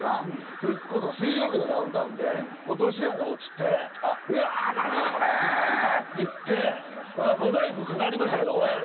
それこそ『水曜日のダウンタウン』で落とし穴落ちて「うわー！助けてくれ！」って言ってモザイクかかりましたけどオンエアでは。